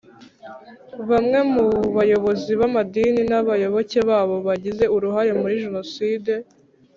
Bamwe mu bayobozi b’amadini n’abayoboke babo bagize uruhare muri jenoside